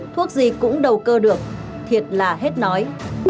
thuốc gì cũng đầu cơ được thiệt là hết nói